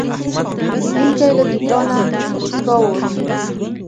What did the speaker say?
پیرودونکی له دوکانه په موسکا ووت.